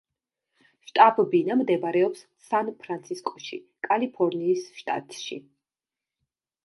შტაბ-ბინა მდებარეობს სან-ფრანცისკოში, კალიფორნიის შტატში.